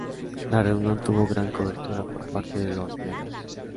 La reunión tuvo gran cobertura por parte de los medios.